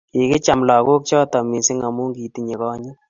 Kikicham lakok choto mising amu kitinye konyiit